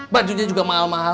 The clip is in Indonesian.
bajunya juga mahal mahal